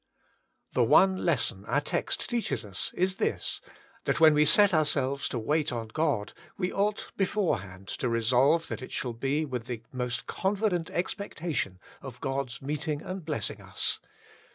The one lesson our text teaches us is this, that when we set ourselves to wait on God we ought beforehand to resolve that it shall be with the most confident expectation of God's meeting and blessing us.